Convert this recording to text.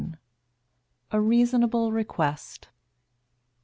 A REASONABLE REQUEST.